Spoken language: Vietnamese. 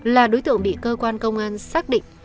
là đối tượng bị cơ quan công an xác định